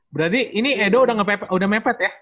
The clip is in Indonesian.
berarti ini edo udah mepet ya